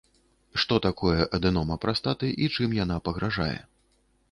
Што такое адэнома прастаты і чым яна пагражае?